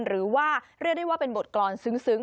หรือว่าเรียกได้ว่าเป็นบทกรรมซึ้ง